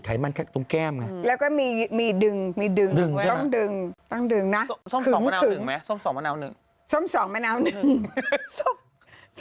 ประธานใหญ่คือมาก